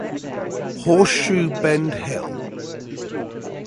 Horseshoe Bend Hill.